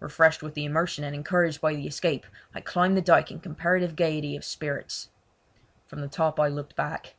Refreshed with the immersion and encouraged by the escape, I climbed the dyke in comparative gaiety of spirits. From the top I looked back.